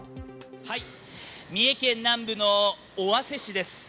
三重県南部の尾鷲市です。